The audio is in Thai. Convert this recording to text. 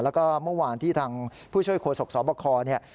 แล้วก็เมื่อวานที่ทางผู้ช่วยครัวศักดิ์ศบคเนี่ย